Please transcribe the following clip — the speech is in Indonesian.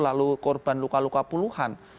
lalu korban luka luka puluhan